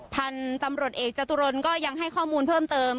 พันธุ์ตำรวจเอกจตุรนก็ยังให้ข้อมูลเพิ่มเติม